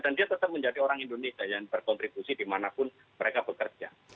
dan dia tetap menjadi orang indonesia yang berkontribusi dimanapun mereka bekerja